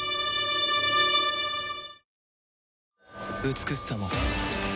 美しさも